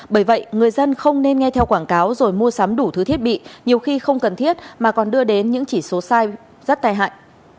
bởi vậy người dân không nên nghe theo quảng cáo rồi mua sắm đủ thứ thiết bị nhiều khi không cần thiết mà còn đưa đến những chỉ số sai rất tai hại